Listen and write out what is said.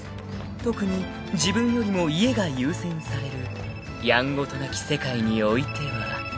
［特に自分よりも家が優先されるやんごとなき世界においてはなおのこと］